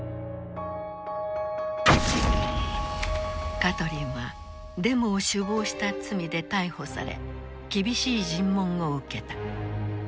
カトリンはデモを首謀した罪で逮捕され厳しい尋問を受けた。